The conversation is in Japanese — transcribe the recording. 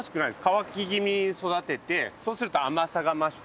乾き気味に育ててそうすると甘さが増して。